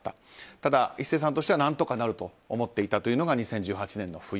ただ、壱成さんとしては何とかなると思っていたというのが２０１８年の冬。